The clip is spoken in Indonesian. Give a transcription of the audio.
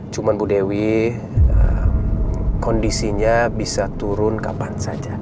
cuma bu dewi kondisinya bisa turun kapan saja